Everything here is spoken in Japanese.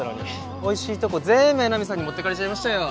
おいしいとこ全部江波さんに持ってかれちゃいましたよ。